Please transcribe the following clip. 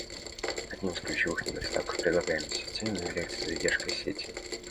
Одним из ключевых недостатков предлагаемой системы является задержка сети